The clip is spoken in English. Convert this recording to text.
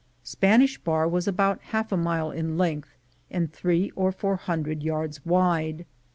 Spanish Bar v/as about half a mile in length, and three or four hundred yards wide.